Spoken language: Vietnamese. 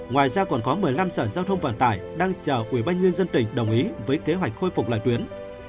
ngoài ra còn có một mươi năm sở giao thông vận tải đang chờ quỹ ban nhân dân tỉnh đồng ý với kế hoạch khôi phục lại tuyến